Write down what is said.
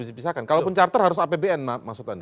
harus dipisahkan kalaupun charter harus apbn maksud anda